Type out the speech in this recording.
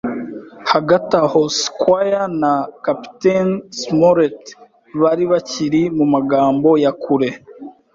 Hagati aho, squire na Kapiteni Smollett bari bakiri mumagambo ya kure